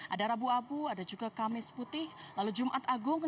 ada rabu abu ada juga kamis putih lalu jumat agung